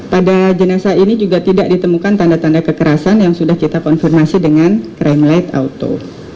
pada jenazah ini juga tidak ditemukan tanda tanda kekerasan yang sudah kita konfirmasi dengan crime light auto